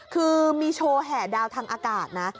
คือมีโชว์แห่ดาวทางอากาศนะ